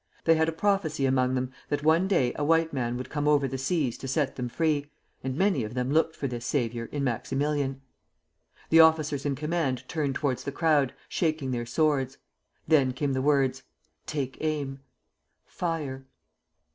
They had a prophecy among them that one day a white man would come over the seas to set them free, and many of them looked for this savior in Maximilian. The officers in command turned towards the crowd, shaking their swords. Then came the words: "Take aim! Fire!"